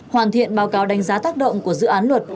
hoàn thiện báo cáo đánh giá tác động của dự án luật